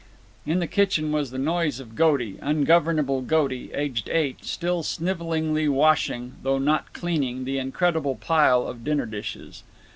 In the kitchen was the noise of Goaty, ungovernable Goaty, aged eight, still snivelingly washing, though not cleaning, the incredible pile of dinner dishes.